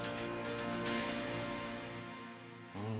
うん。